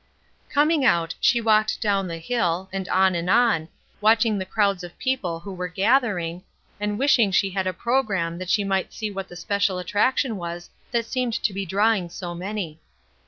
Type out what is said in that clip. Coming out, she walked down the hill, and on and on, watching the crowds of people who were gathering, and wishing she had a programme that she might see what the special attraction was that seemed to be drawing so many.